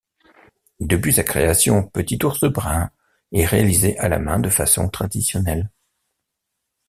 Depuis sa création, Petit Ours Brun est réalisé à la main de façon traditionnelle.